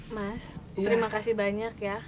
mas terima kasih banyak ya